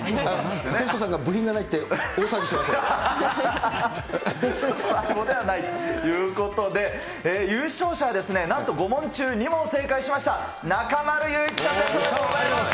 徹子さんが部品がないって大ＡＩＢＯではないということで、優勝者は、なんと５問中２問正解しました中丸雄一さんです。